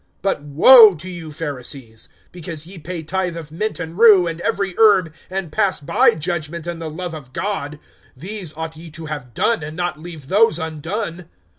(42)But woe to you, Pharisees! because ye pay tithe of mint and rue and every herb, and pass by judgment and the love of God. These ought ye to have done, and not leave those undone.